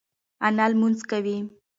انا لمونځ کوي.